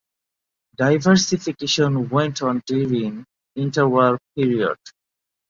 Diversification went on during the Interwar period.